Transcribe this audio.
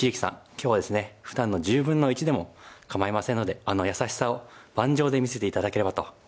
今日はですねふだんの１０分の１でも構いませんのであの優しさを盤上で見せて頂ければと思います。